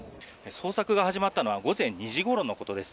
捜索が始まったのは午前２時ごろのことです。